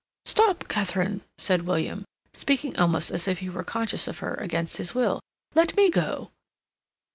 "Stop, Katharine," said William, speaking almost as if he were conscious of her against his will. "Let me go."